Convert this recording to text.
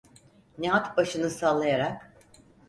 Nihat başını sallayarak: